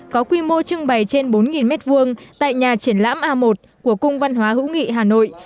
có quy mô trưng bày trên bốn m hai tại nhà triển lãm a một của cung văn hóa hữu nghị hà nội